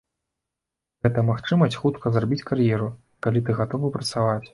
Гэта магчымасць хутка зрабіць кар'еру, калі ты гатовы працаваць.